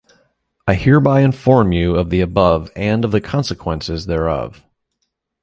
I hereby inform you of the above and of the consequences thereof.